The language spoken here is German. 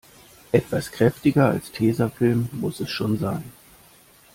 Etwas kräftiger als Tesafilm muss es schon sein.